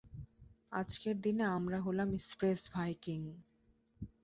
আজকের দিনে আমরা হলাম স্পেস ভাইকিং!